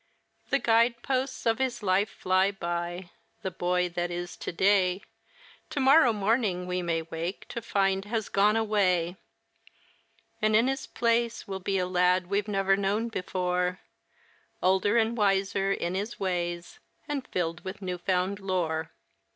The guide posts of his life fly by. The boy that is to day, To morrow morning we may wake to find has gone away, And in his place will be a lad we've never known before, Older and wiser in his ways, and filled with new found lore.